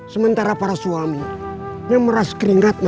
sementara para suami yang meras keringatnya